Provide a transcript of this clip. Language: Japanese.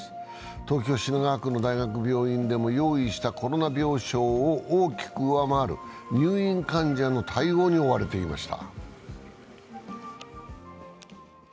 東京・品川区の大学病院でも用意したコロナ病床を大きく上回る入院患者の対応に追われていました。